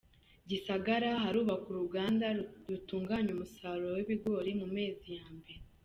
Gisagara Harubakwa uruganda rutunganya umusaruro w’ibigori mu mezi ya mbere